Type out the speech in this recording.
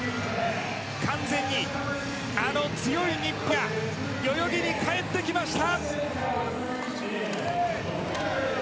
完全にあの強い日本が代々木に帰ってきました。